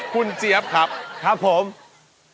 คุณเสียบครับครับผมโอเค